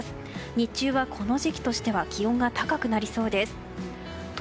日中はこの時期としては気温が高くなりそうです。